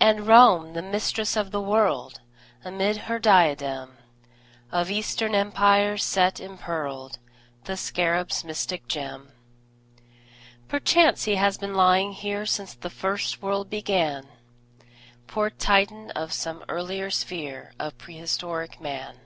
And Rome, the Mistress of the World, Amid her diadem Of Eastern Empires set impearled The Scarab's mystic gem. Perchance he has been lying here Since first the world began, Poor Titan of some earlier sphere Of prehistoric Man!